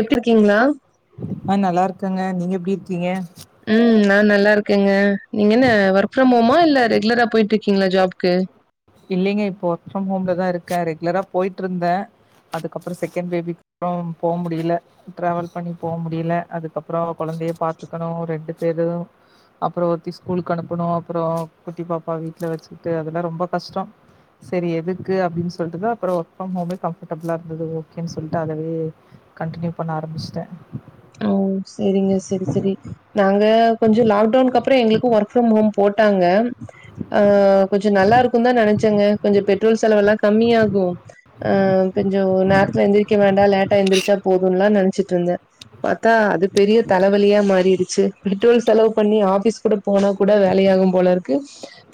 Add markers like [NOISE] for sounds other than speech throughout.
எப்டி இருக்கீங்களா ஆ நல்லா இருக்கங்க நீங்க எப் ப்டி இருக்கீங்க ம் நா நல்லா இருக்கேங்க நீங்க என்ன வர்க் ஃப்ரம் ஹோமா இல்ல ரேகுலராப் போயிட்ருக்கீங்களா ஜாப்புக்கு இல்லைங்க இப்போ வர்க் ஃப்ரம் ஹோம்ல தா இருக்கே ரெக்லரா போய்ட்ருந்தே அதுக்கப்புறம் செகண்ட் பேபிக்கு அப்புறம் போம் முடியில ட்ரவல் பண்ணி போம் முடியில அதுக்கப்புறோ கொழந்தையே பாத்துக்கணும் ரெண்டு பேரும் அப்புறம் ஒருத்தி ஸ்கூலுக்கு அனுப்பணும் அப்புறோ குட்டி பாப்பா வீட்ல வச்சுட்டு அதெல்லா ரொம்ப கஷ்டோ சரி எதுக்கு அப்படின்னு சொல்ட்டுதா அப்புறோ வர்க் ஃப்ரம் ஹோமே கம்ஃபர்டபுளா இருந்தது ஓகேன்னு சொல்ட்டு அதவே கன்டினியூ பண்ண ஆரம்பிச்சட்டே ம் சேரிங்க சரி சரி நாங்க கொஞ்சோ லாக்டவுன்க்கு அப்ற எங்ளுக்கு ஒர்க் ஃப்ரம் ஹோம் போட்டாங்க அ கொஞ்ச நல்லாருக்குதா நெனச்சேங்க கொஞ்ச பெட்ரோல் செலவல்லா கம்மி ஆகு அ கொஞ்ச நேரத்துல எந்துரிக்க வேண்டா லேட்ட எந்துரிச்சா போதும்ல்லா நென்ச்சிருந்த பாத் அது பெரிய தலைவலியா மாறிறுச்சு பெட்ரோல் செலவு பண்ணி ஆபீஸ் கூட போனா கூட வேலையாகு போலருக்கு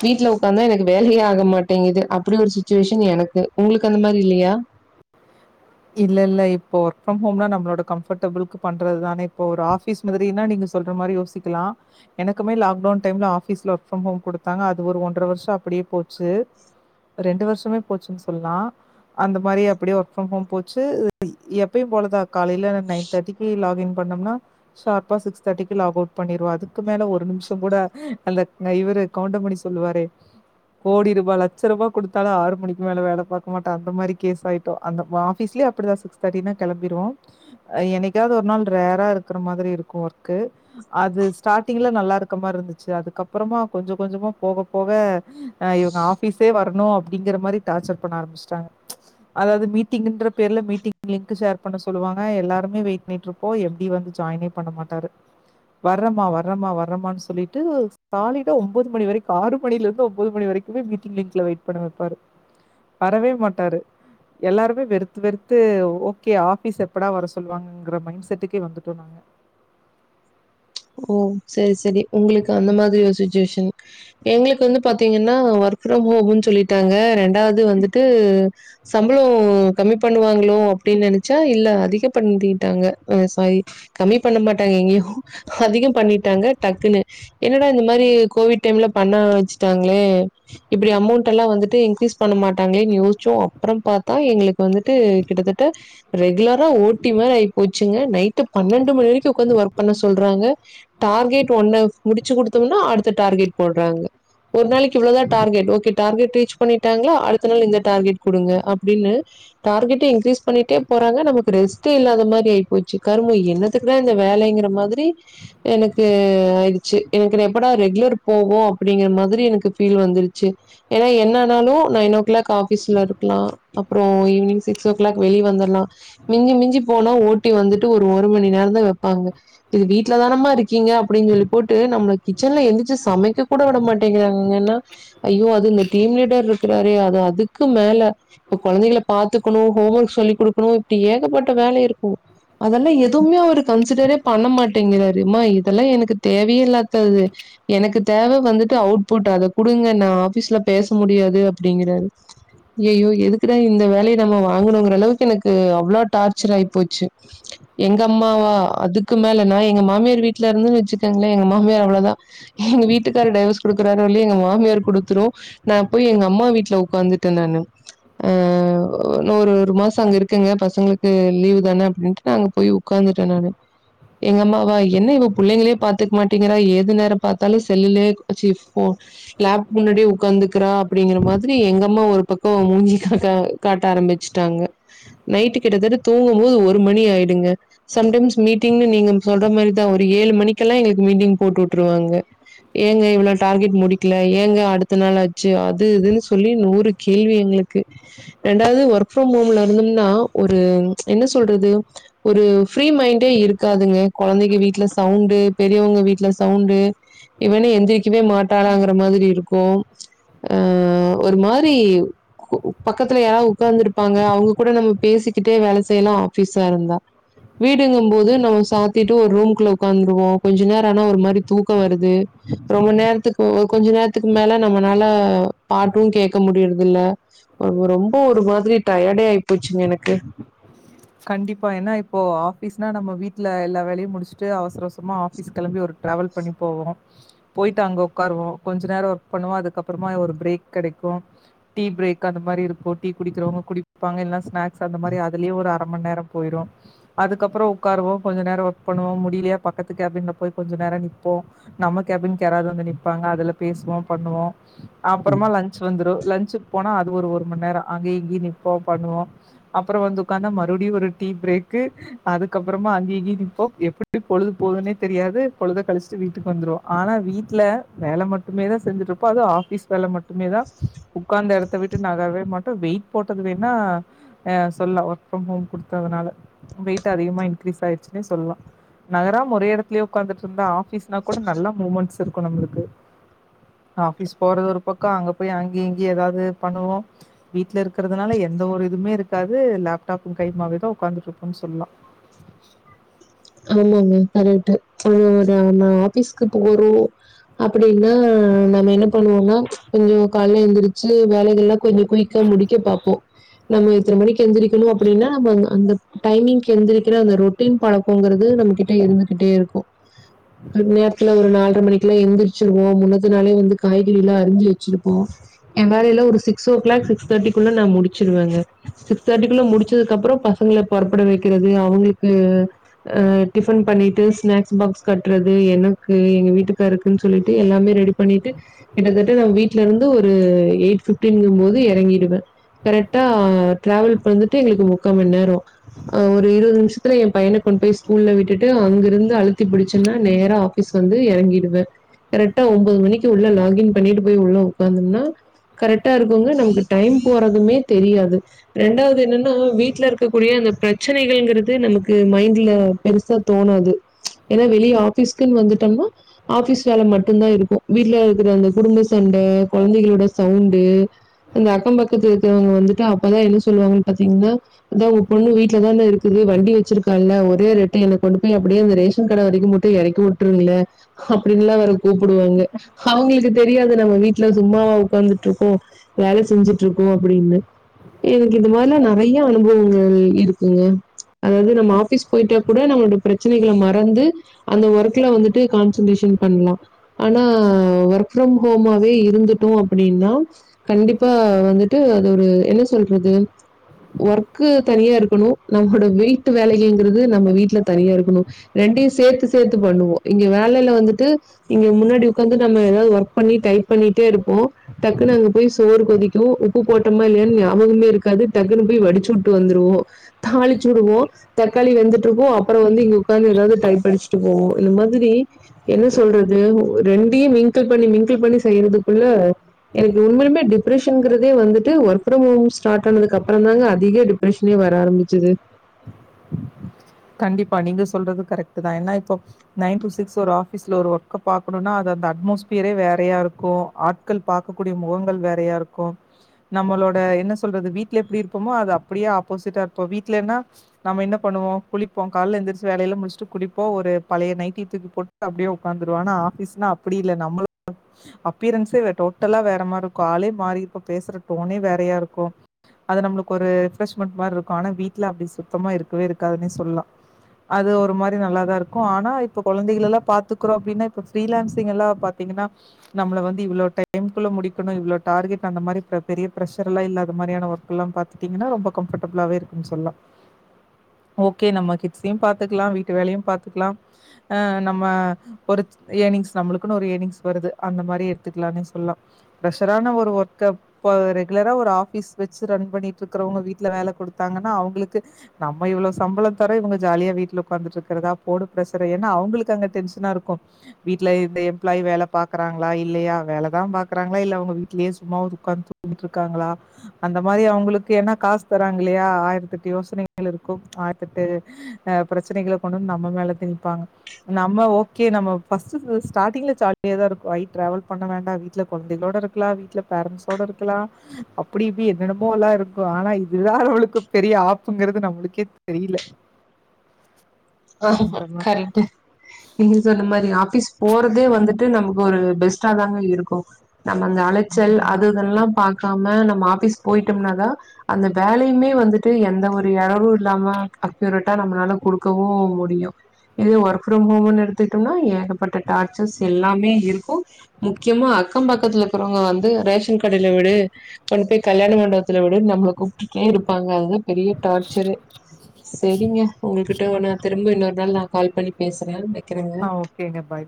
வீடல உக்காந்தா எனக்கு வேலையே ஆக மாட்டேங்குது அப்டி ஒரு சுச்சுவேஷன் எனக்கு உங்ளுக்கு அந்த மாரி இல்லியா இல்ல இல்ல இப்போ ஒர்க் ப்ரம் ஹோம் நம்மளோட கம்ர்டபி பண்றதுதானே இப்ப ஒரு ஆபீஸ் மாதுரினா நீங்க சொல்ற மாரி யோசிக்கலா எனக்குமே லாக்டவுன் டைம் ஆபீஸ்ல ஒர்க் ஃப்ரம் ஹோம் குடுத்தாங்க அது ஒரு ஒன்றர வர்ஷ அப்படியே போச்சு ரெண்டு வருஷமே போச்சுன் சொல்லா அந்த மாரி அப்புடியே ஒர்க்ம் ஃ ப்ரம் போச் எப்பயு போலதா காலையில நைன் தேர்ட்டிக்கு பண்ணம்னா ஷார்ப்பா சிக்ஸ் தேர்டிக்கு லாக் அவுட் பண்ணிருவ அதுக்கு மேல ஒரு நிம்ஷங்கூட அந்த இவுரு கவுண்டமணி சொல்வாரே கோடி ரூபா லட்ச ரூபா குடுத்தாலு ஆறு மணிக்கு மேல வேல பாக்க மாட்ட அந்த மாரி கேஸ் ஆயிட்டோ அந்த மாஸ் பீஸ்லி அப்படி தா சிக்ஸ் தேட்டினா கிளம்பிருவோ அ என்னைக்காவது ஒரு நாள் ரேரா இருக்கற மாதுரி இருக்கு ஒர்க்கு அது ஸ்டாரிங்ல நல்லாருக்குற மாரி இருந்துச்சு அதுக்கப்றமா கொஞ்ச கொஞ்சமா போக போக இவங்க ஆஃபிஸே வர்னு அப்படிங்கிற மாரி டார்ச்சர் பண்ண ஆராமிச்ட்டாங்க அதாது மீட்டிங்ன்ற பேர் ல மீட்டிங் லிங்க்கு ஷேர் பண்ண சொல்லுவாங்க எல்லாருமே வெயிட் பண்ணிட்ருப்போ எம்டி வந்து ஜாயினே பண்ண மாட்டரு வர்றமா வர்றமா வர்றமா வர்ரனு சொல்லிட்டு சாலிடா ஒம்பது மணி வரைக்கு ஆறு மணில இருந்து ஒன்பது மணி வரைக்கு மீட்டிங்லல வெயிட் பண்ண வெப்பாரு வரவே மாட்டாரு எல்லாருமே து வெர்த்து ஓகே ஆபிஸ் எப்படா வர சொல்லுவாங்கங்ற மைண் செட்டுக்கே வந்துட்டோ நாங்க ஓ சேர் செரி உங்குளுக்கு அந்த மாதுரி ஒரு சுச்சுவேஷன் எங்களக்கு வந்து பாத்தீங்கன்னா ஒர்க் ஃப்ரம் ஹோம்ன்னு சொல்லிட்டாங்க ரெண்டாவது வந்துட்டு சம்ப்ளோ கம்மி பண்ணுவாங்களோ அப்டின் நென்ச்சா இல்ல அதிக பண்ணிட்டாங்க சாரி கம்மி பண்ண மாட்டாங்க எங்யு அத பண்ணிட்டாங்க டக்குன்னு என்னடா இந்த மாரி கோவிட் டைம்ல பண்ண வச்சிட்டாங்களே இப்புடி அமௌண்ட் எல்லா வந்துட்டு இன்க்ரீஸ் பண்ண மாட்டாங்களேன்னு யோசிச்சோ அப்ற பாத்தா எங்ளுக்கு வந்துட்டு கிட்டத்தட்ட ரெகுலரா ஓட்டி மாதுரி ஆகி போச்சுங்க நைட்டு பன்னண்டு மணி வரைக்கு உக்காந்து ஒர்க் பண்ண சொல் சொல்றாங்க டார்கெட் ஒன்னு முடிச்சு கொடுத்தோம்னா அடுத்த டார்கெட் போட்றாங்க ஒர் நாளக் இவ்ளோதா டார்கெட் ஓகே டார்கெட் ரீச் பண்ணிட்டாங்ளா அடுத்த நாள் இந்த டார்கெட் குடுங்க அப்டின்னு டார்கெட் இன்க்ரீஸ் பண்ணிட்டே போறாங்க நமக்கு ரெஸ்ட் இல்லாத ஆயிப்போச்சு கருமோ என்னத்துக்குடா இந்த வேலைங்கிற மாதுரி எனக்கு ஆயிடுச்சு எனக்கு எப்படா ரெகுலர் போவோ அப்படிங்கற மாதுரி எனக்கு ஃபீல் வந்துடுச்சு ஏன்னா என்னனாலு நைன் ஓ க்ளாக் ஆஃபீஸ்ல இருக்லா அப்புறோ ஈவினிங் சிக்ஸ் ஓ க்ளாக் வெளிய வந்துரலா மிஞ்சி மிஞ்சி போனா ஓட்டி வந்துட்டு ஒரு ஒரு மணி நேரந்தா வெப்பாங்க இது வீட்டுல தானமா இருக்கீங்க அப்புடின் சொல்லி போட்டு நம்மள கிச்சன்ல எந்துரிச்சு சமைக்க கூட விட மாட்டேங்கிறாங்கங்கன்னா ஐயோ அது இந்த டீம் லீடர் இருக்குறாருே அது அதுக்கு மேல இப்ப கொழந்தைகள பாாத்தக்கணு ஹோம் ஒர்க் சொல்லிக் குடுக்கணு இப்படி ஏகப்பட்ட வேலை இருக்கு அதல்லா எதுவ்மே அவ்ரு கன்சிடரே பண்ண மாட்டேங்கிறாரு மா இதல்லா எனக்கு தேவ இல்லாதது எனக்கு தேவ வந்துட்டு அவுட்புட் அத குடுங்க நா ஆஃபீஸ்ல பேச முடியாது அப்டிங்குறாரு ஐயயோ எதுக்கு இந்த வேலய நம்ம வாங்குனோங்குற அளவுக்கு எனக்கு அவ்ளோ டார்ச்சர் ஆயி போச்சு எங்க அம்மாவா அதுக் க்கு மேல நா எங்க மாமியார் வீட்ல இருந்துன்னு வச்சுக்கேங்கள எங்க மாமியார் அவ்ளோதா எங்க வீட்டுக்காரரு டைவர்ஸ் குடுக்குறாரோ இல்லி எங்க மாமியார் குடுத்துரும் நா போய் எங்க அம்மா வீட்ல உக்காந்துட்ட நானு அ ஒரு ஒரு மாச அங்க இருக்கங்க பசங்ளுக்கு லீவ் தான அப்டின்ட்டு நா அங்க போய் உக்காந்துட்ட நானு எங்க அம்மாவா என்ன இவ புள்ளைங்ளே பாத்துக்க மாட்டேங்கிறா ஏது நேர பாத்தாலும் செல்லுலயே அ சி லேப் முன்னாடியே உக்காந்துக்குறா அப்புடிங்கிற மாத்ரி எங்க அம்மா ஒரு பக்கோ மூஞ்சி காட்ட ஆரமிச்சுட்டாங்க நைட்டு கிட்டத்தட்ட தூங்கும் போது ஒரு மணி ஆயிடுங்க சம்டைம்ஸ் மீட் டிங்னு நீங்க சொல்ற மாரி தா ஒரு ஏழுமணிக்கெல்லா எங்ளுக்கு மீட்டிங் போட்டு விட்டுருவாங்க எங்க இவ்ளோ டார்கெட் முடிக்கலங்க அடுத்த நாள் ஆச்சு அது இதுன் சொல்லி நூறு கேள்வி எங்ளுக்கு ரெண்டாவது ஒர்க் ஃப்ரம் ஹோம்ல என்னன்னா ஒரு என்ன சொல்றது ஒரு ஃப்ரீ மைண்டே இருக் காதுங்க கொழந்தைங்க வீட்ல சவுண்டு பெரியவங்க வீட்ல சவுண்டு இவனே எந்திரிக்கவே மாட்டாளாங்குற மாதுரி இருக்கு அ ஒரு மாதுரி பக்கத்துல யாராவ்து உக்காந்துருப்பாங்க அவ்ங்க கூட நம்ம பேசிக்கிட்டே வேல செய்யலா ஆஃபீஸா இருந்தா வீடுங்கும்போது நம்ம சாத்திட்டு ஒரு ரூம்க்குள்ள உக்காந்துருவோ கொஞ்ச நேர ஆனா ஒரு மாரி தூக்கவருது ரொம்ப நேரத்துக்கு ஒரு கொஞ்ச நேரத்துக்கு மேல நம்மனால பாட்டு கேக்க முடியற்துல்ல ஒ ரொம்ப ஒரு மாதுரி டயடே ஆயி போச்சுங்க எனக்கு கண்டிப்பா ஏன்னா இப்போ ஆஃபீஸ்னா நம்ம வீட்டல எல்லா வேலையு முடிச்ட்டு அவசரவசமா ஆஃபீஸ் கிளம்பி ஒரு ட்ரேவல் பண்ணி போவோ போயிட்டு அங்க உக்காருவோ கொஞ்ச நேர ஒர்க் பண்ணுவோ அதுக் அப்றமா ஒரு பிரேக் கடைக்கு டீ பிரேக் அந்த மாரி இருக்கு டீ குடிக்கிறவ்ங்க குடிப்பாங்க எல்லா ஸ்நேக் சா அந்த மாரி அதுலயே ஒரு நேர போயிரு அதுக்கப்பறோ உக்காருவோ கொஞ்ச நேர ஒர்க் பண்ணுவோ முடியலையா பக்கத்து கேபின்ல போய் கொஞ்ச நேரம் நிப்போ நம்ம கேபின் க்கு யராது வந்து நிப்பாங்க அதுல பேசுவோ பண்ணுவோ அப்பறமா லன்ச் வந்துரு லன்ச்க்கு போனா அது ஒரு மண்நேரோ அங்கயு இங்கயு நிப்போ பண்ணுவோ அப்பறோ வந்து உக்காந்த ம மறுபடியு ஒரு டீ பிரேக் அதுக்கப்பறமா அங்கயு இங்கயு நிப்போ எப்படி பொழுது போதுனே தெரியாது பொழுத கழிச்சுட்டு வீட்டுக்கு வந்துருவோ ஆனா வீட்ல வேல மட்டுமேதா செஞ்சிட்டு இருப்போ அதும் ஆபீஸ் வேலை மட் டுமேதா உக்காந்த எடத்த விட்டு நகரவே மாட் ம், வெயிட் போட்டது வேணா அ சொல்லா ஃப்ரம் ஹோம் குடுத்ததுனால வெயிட் அதிகமா இன்க்ரீஸ் ஆயிடுச்சுன்னே சொல்லலா நகராம ஒரே எடத்துலயே உக்காந்துட்டு இருந்தா ஆஃபிஸ்னா கூட நல்ல மூமெண்ட்ஸ் இருக் க்கு நம்மளுக்கு ஆஃபீஸ் போறது ஒரு பக்கோ அங்க போய் அங்கயு இங்கயு ஏதாவது பண்ணுவோ வீட்ல இருக்கறதுனால எந்த ஒரு இதுவுமே இருக்காது லேப் டாப்பும் கையுமாவேதா உக்காந்துட்டுருபோன்னு சொல்லலா ஆமாங்க கரெக்ட்டு ச் ஆஹ் ஒரு நா ஆபீஸ்க்கு போறோ அப்டினா நம்ம என்ன பண்ணுவோனா ச் கொஞ்சோ காலேல எந்துருச்சு வேலைகல்லாம் கொஞ்சோ குய்க்கா முடிக்க பாப்போம் நாம எத்தன மணிக் எந்திரிக்கணும் அப்டினா நம்ம அந்த டைமிங்க்கு எந்திரிக்கிற அந்த ரொட் டின் பழக்கம்ங்குறது நமக் கிட்ட இருந்துகிட்டே இருக்கு நேரத்துல ஒரு நாள் [UNINTELLIGIBLE] மணிக்கெல்ல எந்துருச்சுருவோம் முன்னத்த நாளே வந்து காய்கறியெல்லாம் அருஞ்சு வச்சுருப்போம் என் வேல லாம் ஒரு சிக்ஸ் ஓ கிளாக் சிக்ஸ் தேர்டிகுள்ள நா முடிச்சுருவேங்க சிக்ஸ் தேர்ட்டிக்குள்ள முடிச்சதுக்கு அப்பறம் பசங்கள புறப்பட வக்கிறது அவுங்களுக் கு ஆஹ் டிஃபன் பண்ணிட்டு ஸ்நாக்ஸ் பாக்ஸ் கட்டுறது எனக்கு எங்க வீட்டுக்காருக்குன்னு சொல்லிட்டு எல்லாமே ரெடி பண்ணிட்டு கிட்டத்தட்ட நான் வீட்ல இருந்து ஒரு எயிட் பிப்டினுங்கும் போது இறங்கிடுவேன் கரெக்டா டிராவல் பந்துட்டு எங்களுக்கு முக்கா மண் நேரோ ஒரு இருபது நிமிஷத் துல என் பய்யன கொண்டு போய் ஸ்கூல்ல விட்டுட்டு அங்க இருந்து அழுத்தி பிடிச்சன்னா நேரா ஆபீஸ் வந்து எறங்கிடுவேன் கரெட்டா ஒன்போது மணிக்கு உள்ள லாகின் பண்ணிட்டு போய் உள்ள உக்காந்தோம்னா கரெக்டா இருக்குங்க நமக்கு டைம் போறதுமே தெரியாது ரெண்டாவது என்னன்னா வீட்ல இருக்கக்கூடிய அந்த பிரச்சனைகள்கிறது து நமக்கு மைண்ட்ல பெருசா தோணாது ச் ஏனா வெளிய ஆபீஸ்க்குன்னு வந்துட்டோம்னா ஆபிஸ் வேல மட்டுதான் இருக்கும் வீட்ல இருக்குற அந்த குடும்ப சண்ட கொழந்தகளோட சவுண்டு இங்க அக்கம் பக்கத்து இருக்கிறவங்க வந்துட்டு அப்பதான் என்ன சொல்வாங்கனு பாத்தீங்கன்னா அதா உங்க பொண்ணு வீட்லதான இரு குது வண்டி வச்சுருக்கால்ல ஒரே ரெட்டு என்ன கொண்டு போய் அப்டியே அந்த ரேஷன் கட வரைக்கும் மட்டு இறக்கி விட்டுருங்களே அப்டின்ல்லாம் வேற கூப்புடுவாங்க அவுங்களுக்கு தெரியாது நம்ம வீட்ல சும்மாவா உக்காந்துட்டுருக்கோம் வேல செஞ்சுட்டு இருக்கோம் அப்டின்னு எனக்கு இந்த மாரிலாம் நெறய அனுபவங்கள் இருக்குங்க அதாவது நம்ம ஆபிஸ் போயிட்டா கூட நம்மளோட பிரச்சனைகள மறந்து அந்த ஒர்க்ல வந்துட்டு கான்சன்ட்ரேஷன் பண்லா ஆனா ஒர்க் ஃப்ரம் ஹோமாவே இருந்துட்டோம் அப்டினா கண்டிப்பா வந்துட்டு அது ஒரு என்ன சொல்றது ஒர்க்கு தனியா இருக்கணும் நம்மளோட வீட்டு வேலைகங்கறது நம்ம வீட்ல தனியா இருக்கணும் ரெண்டையும் சேத்து சேத்து பண்ணுவோம் இங்க வேலேல வந்துட்டு இங்க முன்னாடி உக்காந்து நம்ம ஏதாவது ஒர்க் பண்ணி டைட் பண்ணிட்டே இருப்போம் டக்குன்னு அங்க போய் சோறு கொதிக்கும் உப்பு போட்டோமா இல்லையான்னு ஞாபகமே இருக்காது டக்குன்னு போய் வடிச்சு வுட்டு வந்துருவோம் தாளிச்சு வுடுவோம் தக்காளி வெந்துட்டு இருக்கு அப்பறோ வந்து இங்க உக்காந்து எதாவது டைப் அடுச்சுட்டு போவோம் இந்த மாதிரி என்ன சொல்றது ரெண்டையும் மிங்கிள் பண்ணி மிங்கிள் பண்ணி செய்யறதுக்குள்ள எனக்கு உண்மைலுமே டிப்ரெஷன்ங்கிறதே வந்துட்டு ஒர்க் ஃப்ரம் ஹோம் ஸ்டார்ட் ஆனதுக்கு அப்புறம் தாங்க அதிக டிப்ரெஷனே வர ஆரம்பிச் சது கண்டிப்பா நீங்க சொல்றது கரெக்ட் தான் ஏனா இப்போ நைன் டு சிக்ஸ் ஒரு ஆபீஸ்ல ஒரு ஒர்க்க பாக்ரோனா அது அந்த அட்மோஸ்பியரே வேறயா இருக்கு ஆட்கள் பாக்ககூடிய முகங்கள் வேறயா இருக்கு நம்மளோட என்ன சொல்றது வீட்ல எப்டி இருப்போ அது அப்டியே ஆப்போசிட்டா இருப்போ வீட்லேனா நம்ம என்ன பண்ணுவோ குளிப்போம் காலேல எந்துருச்சு வேலையல்லாம் முடிச்சுட்டு குளிப்போம் ஒரு பழைய நைட்டி தூக்கி போட்டு அப்டியே உட்காந்துருவோ ஆனா ஆஃபீஸ்னா அப்டி இல்ல நம்மள அப்பியரன்ஸே வே டோட்டலா வேற மாரி இருக்கும் ஆளே மாறிர்ப்போ பேசுற டோனே வேறய இருக்கு அது நம்மளுக்கு ஒரு ரெஃப்ரெஷ்மண்ட் மாரி இருக்கு ஆனா வீட்ல அப்டி சுத்தமா இருக்கவே இருக்குதுனே சொ சொல்லாம் அது ஒரு மாரி நல்லாதாருக்கும் ஆனா இப்ப கொழந்தைகலல்லாம் பாத்துக்குறோ அப்டினா இப்ப ப்ரீலான்சிங் எல்லாம் பாத்தீங்கனா நம்மள வந்து இவ்ளோ டைம்குள்ள முடிக்குனு இவ்வளவு டார்கெட் அந்த மாரி பெரிய பிரஷர் எல்லாம் இல்லாத மாரியான ஒர்க்ல்லாம் பாத்துட்டீங்கன்னா ரொம்ப கம்ஃபர்டபிளாவே இருக்குன்னு சொல்லாம் ஓகே நம்ம கிட்ஸ்சையும் பாத்துக்கலாம் வீட்டு வேலயும் பாத்துக்கலாம் ஆ நம்ம ஒரு இயர்னிங்ஸ் நம்மளுக்குனு ஒரு இயர்னிங்ஸ் வருது அந்த மாரி எடுத்துக்கலானே சொல்லாம் ப்ரெஷரான ஒரு ஒர்க்க இப்ப ரெகுலரா ஒரு ஆஃபீஸ் வச்சு ரன் பண்ணிட்டு இருக்கறவுங்க வீட்ல் வேல குடுத்தாங்கனா அவுங்களுக்கு நம்ம இவ்ளோ சம்பளம் தர இவுங்க ஜாலியா வீட்ல உக்காந்துட்டு இருக்கறதா போடு பிரஷர ஏனா அவுங்களுக்கு அங்க டென்ஷனா இருக்கு வீட்ல இந்த எம்ப்ளாயி வேல பாக்றாங்களா இல்லயா வேலதான் பாக்குறாங்களா இல்ல அவுங்க வீட்லயே சும்மாவாது உக்காந்து தூங்கிட் இருக்காங்களா அந்த மாரி அவுங்களுக்கு ஏனா காசு தராங்க இல்லயா ஆயிரத்தெட்டு யோசனைகள் இருக்கும் ஆயிரத்தெட்டு பிரச்சனைகள கொண்டுவந்து நம்ம மேல திணிப்பாங்க நம்ம ஓகே நம்ம ஃபஸ்டு ஸ்டார்ட்டிங்ல ஜாலியா தான் இருக்கும் ஐ டிராவல் பண்ண வேண்டாம் வீட்ல கொழந்தைகளோட இருக்கலாம் வீட்ல பேரண்ட்ஸோட இருக்கலாம் அப்டி இப்டி என்னென்னமோலா இருக்கு ஆனா இதுதான் அவளுக்கு பெரிய ஆப்புங்கறது நம்மளுக்கே தெரியல ஆமா அந்த மா கரெக்ட்டு நீங்க சொன்ன மாரி ஆபிஸ் போறதே வந்துட் டு நமக்கு ஒரு பெஸ்டா தாங்க இருக்கும் நம்ம அந்த அலச்சல் அது இதல்லாம் பாக்காம நம்ம ஆபீஸ் போயிட்டோம்னாதா அந்த வேலயுமே வந்துட்டு எந்த ஒரு எரரும் இல்லாம அக்யூரட்டா நம்மளால குடுக் கவு முடியும் இது ஒர்க் ப்ரம் ஹோம் எடுத்துட்டோம்னா ஏகப்பட்ட டார்ச்சல்ஸ் எல்லாமே இருக்கு முக்கியமா அக்கம் பக்கத்துல இருக்கிறவங்க வந்து ரேஷன் கடேல விடு கொண்டு போய் கல்யாண மண்டபத்துல விடு நம்மள கூப்பிட்டுட்டே இருப்பாங்க அங்க பெரிய டார்ச்சரு செரிங்க உங்களுக் [UNINTELLIGIBLE] நா திரும்ப இன்னொரு நாள் நா கால் பண்ணி பேசுறே வக் ஆஹ் ஓகேங்க பாய்